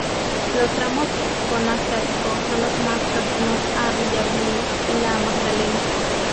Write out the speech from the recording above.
Los tramos con más tráfico son los más próximos a Villablino y La Magdalena.